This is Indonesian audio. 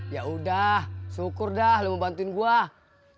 yaudah syukur dah lo membantuin gue